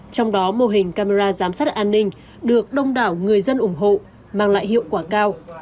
trong đó mô hình camera giám sát an ninh được đông đảo người dân ủng hộ mang lại hiệu quả cao